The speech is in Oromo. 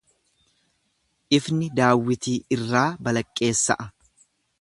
Ifni daawwitii irraa balaqqeessa'a.